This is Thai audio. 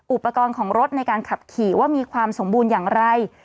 อุปกรณ์ของรถในการขับขี่ว่ามีความสมบูรณ์อย่างไร